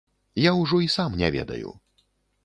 Я ўжо і сам не ведаю.